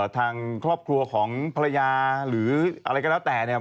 ทางครอบครัวของภรรยาหรืออะไรก็แล้วแต่เนี่ย